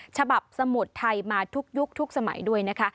ฉบับสมุดไทยมาทุกยุคทุกสมัยด้วยนะคะ